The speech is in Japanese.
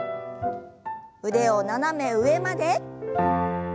腕を斜め上まで。